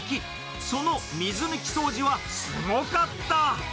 その水抜き掃除はすごかった。